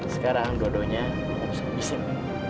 sekarang dua duanya lu harus habisin